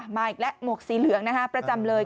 มาอีกแล้วมวกซีเหลืองประจำเลย